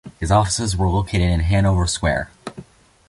His offices were located in Hanover Square.